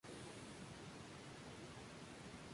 no, no, no cierre, no cierre.